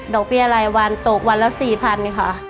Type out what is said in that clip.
ดอกเบี้ยไรวันตกวันละ๔๐๐๐ค่ะ